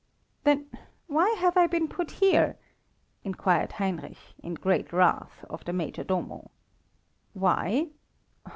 _" "Then why have I been put here?" inquired Heinrich, in great wrath, of the Major Domo. "Why?